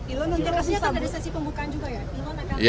elon nanti pasti akan ada sesi pembukaan juga ya